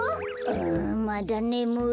あまだねむい。